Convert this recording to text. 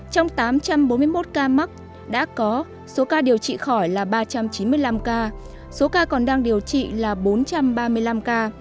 trong tám trăm bốn mươi một ca mắc đã có số ca điều trị khỏi là ba trăm chín mươi năm ca số ca còn đang điều trị là bốn trăm ba mươi năm ca